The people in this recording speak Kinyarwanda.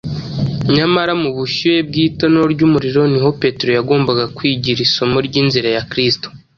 nyamara mu bushyuhe bw’itanura ry’umuriro niho petero yagombaga kwigira isomo ry’inzira ya kristo.